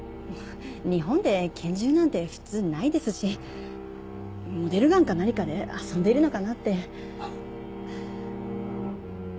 日本で拳銃なんて普通ないですしモデルガンか何かで遊んでいるのかなって。